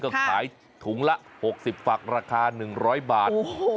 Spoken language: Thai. ก็ขายถุงละ๖๐ฝักราคา๑๐๐บาท